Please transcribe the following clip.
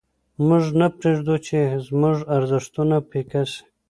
موږ نه پرېږدو چې زموږ ارزښتونه پیکه سي.